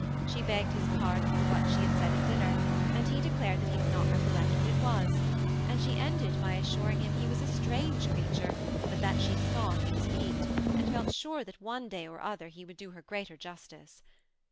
She hegged his pardon for what she had said at dinner, and he declared he did not recollect what it was ; and she ended hy assuring him he was a strange creature, but that she saw that he was piqued, and felt sure that one day or other he would do her greater justice.